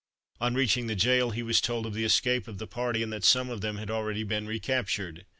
On reaching the gaol he was told of the escape of the party, and that some of them had already been recaptured.